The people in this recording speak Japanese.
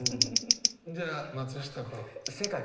じゃあ松下君。